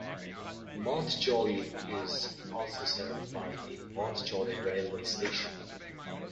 Mont-Joli is also served by the Mont-Joli railway station.